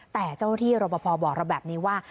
แต่เจ้าหน้าที่รบพอบอกเราแบบนี้ว่า